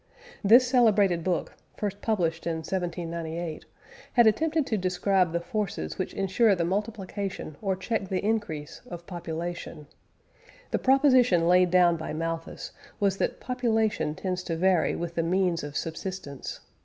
This celebrated book, first published in 1798, had attempted to describe the forces which ensure the multiplication, or check the increase of population. The proposition laid down by Malthus was that population tends to vary with the means of subsistence.